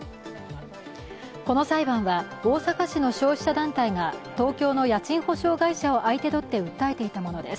この裁判は大阪市の消費者団体が東京の家賃保証会社を相手取って訴えていたものです。